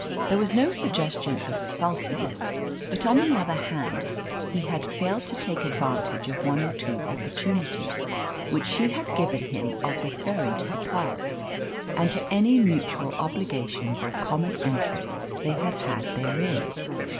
There was no suggestion of sulkiness, but on the other hand he had failed to take advantage of one or two opportunities which she had given him of referring to the past and to any mutual obligations or common interests they had had therein.